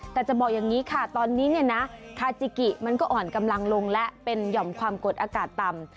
แต่จะบอกอย่างนี้ค่ะตอนนี้เนี่ยนะคาจิกิมันก็อ่อนกำลังลงและเป็นหย่อมความกดอากาศต่ำ